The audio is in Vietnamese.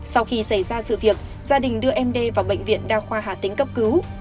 sau khi xảy ra sự việc gia đình đưa md vào bệnh viện đa khoa hà tĩnh cấp cứu